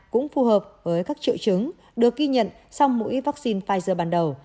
cũng phù hợp với các triệu chứng được ghi nhận sau mỗi vaccine pfizer ban đầu